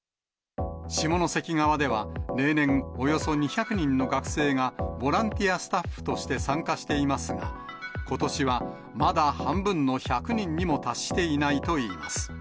下関側では例年、およそ２００人の学生がボランティアスタッフとして参加していますが、ことしはまだ半分の１００人にも達していないといいます。